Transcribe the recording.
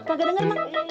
gue kagak denger bang